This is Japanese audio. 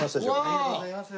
ありがとうございます。